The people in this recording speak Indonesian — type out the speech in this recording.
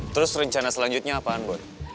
terus rencana selanjutnya apa an boy